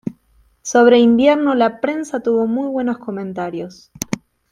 Sobre Invierno la prensa tuvo muy buenos comentarios.